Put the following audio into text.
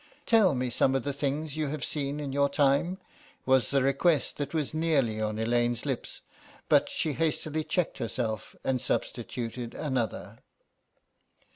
"Tell me some of the things you have seen in your time," was the request that was nearly on Elaine's lips, but she hastily checked herself and substituted another.